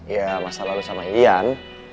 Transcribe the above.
ya masalah lo sama ian